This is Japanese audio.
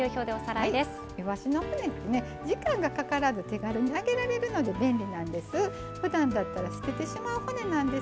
いわしの骨は時間がかからず手軽に揚げられるので便利なんです。